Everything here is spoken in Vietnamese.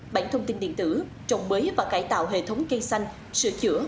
bản thông tin điện tử trọng bới và cải tạo hệ thống cây xanh sửa chữa